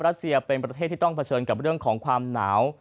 รัสเซียเป็นประเทศที่ต้องเผชิญกับเรื่องของความหนาว